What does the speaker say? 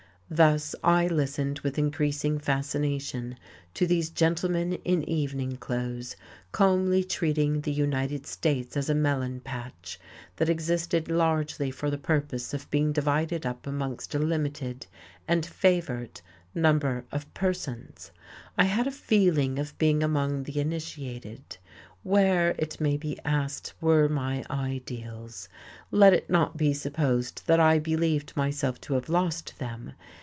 Thus I listened with increasing fascination to these gentlemen in evening clothes calmly treating the United States as a melon patch that existed largely for the purpose of being divided up amongst a limited and favored number of persons. I had a feeling of being among the initiated. Where, it may be asked, were my ideals? Let it not be supposed that I believed myself to have lost them.